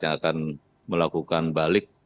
yang akan melakukan balik